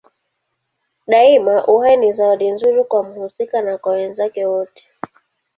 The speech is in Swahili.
Daima uhai ni zawadi nzuri kwa mhusika na kwa wenzake wote.